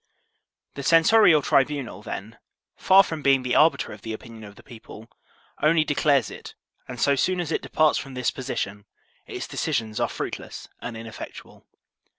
The censorial tribunal, then, far from being the arbiter of the opinion of the people, only declares it, and so soon as it departs from this position, its decisions are fruitless and ineffectual.